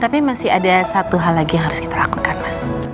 tapi masih ada satu hal lagi yang harus kita lakukan mas